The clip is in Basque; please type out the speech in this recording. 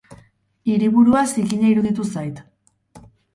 Hiriburua zikina iruditu zait.